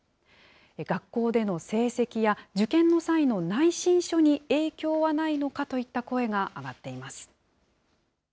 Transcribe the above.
学校での成績や受験の際の内申書に影響はないのかといった声が上がっています。